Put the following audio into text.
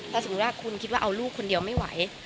ถ้าสมมุติว่าคุณคิดว่าเอาลูกคนเดียวไม่ไหว